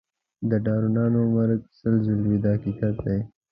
د ډارنو مرګ سل ځله وي دا حقیقت دی.